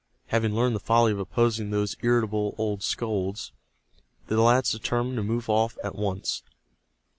Having learned the folly of opposing those irritable old scolds, the lads determined to move off at once.